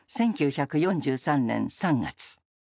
１９４３年３月。